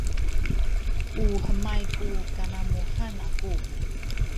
u hemay ku kanamuhan aku